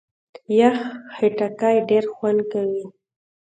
یخ خټکی ډېر خوند کوي.